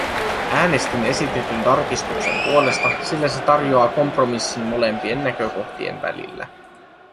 Äänestin esitetyn tarkistuksen puolesta, sillä se tarjoaa kompromissin molempien näkökohtien välillä.